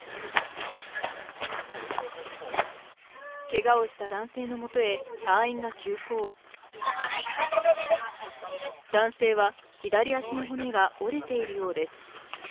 けがをした男性のもとへ隊員が急行男性は左足の骨が折れているようです